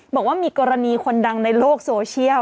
บอกว่ามีกรณีคนดังในโลกโซเชียล